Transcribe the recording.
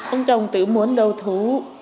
ông chồng tự muốn đầu thú